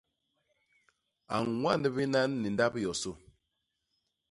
A ñwand binan ni ndap yosô.